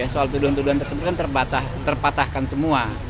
soal tuduhan tuduhan tersebut kan terpatahkan semua